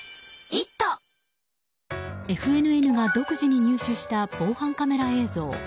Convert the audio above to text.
ＦＮＮが独自に入手した防犯カメラ映像。